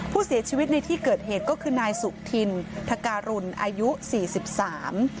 ผู้เสียชีวิตในที่เกิดเหตุก็คือนายสุธินทการุณอายุสี่สิบสาม